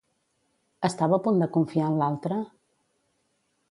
Estava a punt de confiar en l'altre?